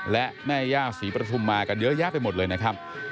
และแม่ย่าศรีปฐุมมากันเยอะแยะไปหมดเลยนะครับ